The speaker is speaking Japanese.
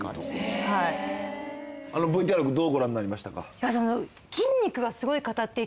ＶＴＲどうご覧になりましたか？